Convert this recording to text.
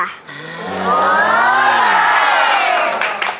โอ้โห